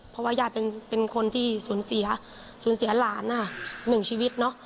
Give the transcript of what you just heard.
เพราะว่าญาติเป็นคนที่สูญเสียหลาน๑ชีวิต